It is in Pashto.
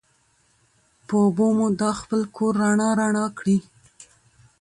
په اوبو مو دا خپل کور رڼا رڼا کړي